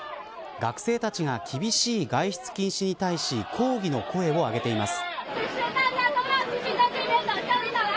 学生たちが厳しい外出禁止に対し抗議の声をあげています。